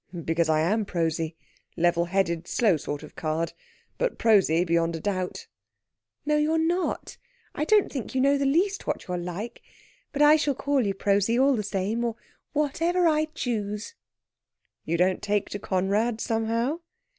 "Because I am prosy level headed, slow sort of card but prosy beyond a doubt." "No, you're not. I don't think you know the least what you're like. But I shall call you Prosy, all the same, or whatever I choose!" "You don't take to Conrad, somehow?"